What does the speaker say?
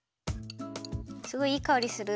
すごいいいかおりする。